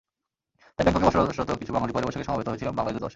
তাই ব্যাংককে বসবাসরত কিছু বাঙালি পয়লা বৈশাখে সমবেত হয়েছিলাম বাংলাদেশ দূতাবাসে।